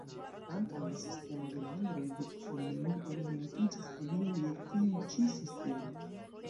Ankaŭ la sistemo de nombroj de buslinioj orientiĝas hodiaŭ je tiu ĉi sistemo.